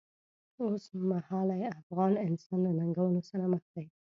اوسمهالی افغان انسان له ننګونو سره مخ دی.